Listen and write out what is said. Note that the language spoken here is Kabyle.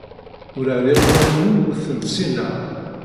Ur rriɣ iman-inu ur tent-ssineɣ.